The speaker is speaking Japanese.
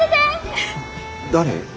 誰？